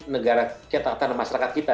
negara kita masyarakat kita